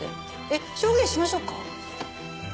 えっ証言しましょうか？